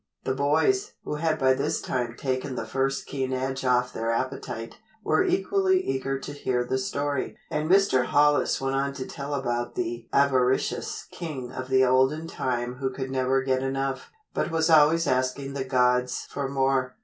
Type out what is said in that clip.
The boys, who had by this time taken the first keen edge off their appetite, were equally eager to hear the story, and Mr. Hollis went on to tell about the avaricious king of the olden time who could never get enough, but was always asking the gods for more.